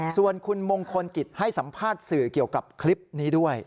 ส่วนคุณมงคลกิจให้สัมภาษณ์สื่อเกี่ยวกับคลิปนี้ด้วย